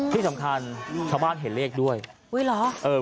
ที่สำคัญชาวบ้านเห็นเลข